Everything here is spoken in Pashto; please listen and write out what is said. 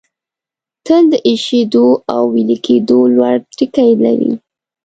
تل د ایشېدو او ویلي کېدو لوړ ټکي لري.